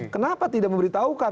kenapa tidak memberitahukan